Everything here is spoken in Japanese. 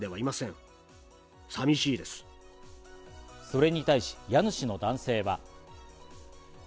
それに対し家主の男性は。